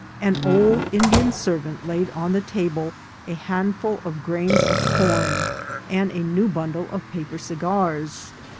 An old Indian servant laid on the ta ble a handful of grains of corn and a new bundle of CARD PLAYING. 329 paper cigars.